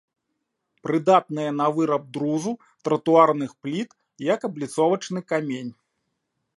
Прыдатныя на выраб друзу, тратуарных пліт, як абліцовачны камень.